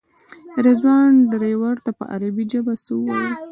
رضوان ډریور ته په عربي ژبه څه وویل.